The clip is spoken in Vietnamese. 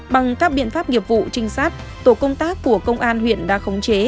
bằng các biện pháp nghiệp vụ trinh sát tổ công tác của công an huyện đã khống chế